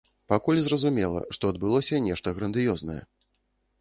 Пакуль зразумела, што адбылося нешта грандыёзнае.